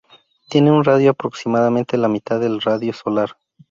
Tiene un radio aproximadamente la mitad del radio solar.